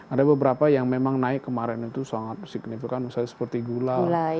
ada beberapa yang memang naik kemarin itu sangat signifikan misalnya seperti gula